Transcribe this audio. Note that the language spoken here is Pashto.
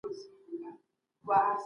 سلام نن ورز ځو خوشاله يم